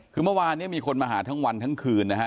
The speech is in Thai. คือเมื่อวานเนี่ยมีคนมาหาทั้งวันทั้งคืนนะฮะ